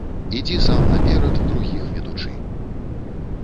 Ідзі сам наперад другіх ведучы!